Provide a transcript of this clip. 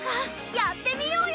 やってみようよ